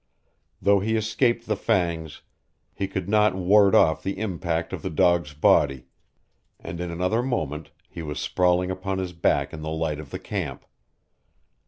Though he escaped the fangs, he could not ward off the impact of the dog's body, and in another moment he was sprawling upon his back in the light of the camp.